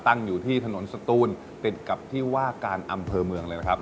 ตั้งอยู่ที่ถนนสตูนติดกับที่ว่าการอำเภอเมืองเลยนะครับ